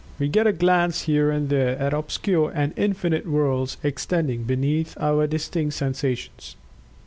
We get a glance here and there at obscure and infinite worlds extending beneath our distinct sensations.